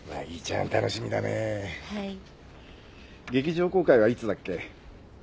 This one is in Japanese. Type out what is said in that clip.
劇場公開はいつだっけ？